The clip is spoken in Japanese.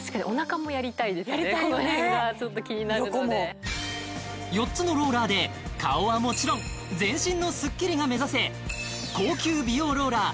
この辺がちょっと気になるので横も４つのローラーで顔はもちろん全身のスッキリが目指せ高級美容ローラー